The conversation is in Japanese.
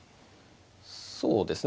そうですね。